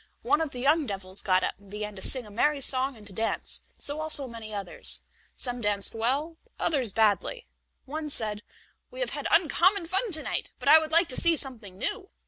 One of the young devils got up and began to sing a merry song and to dance; so also many others; some danced well, others badly. One said: "We have had uncommon fun to night, but I would like to see something new."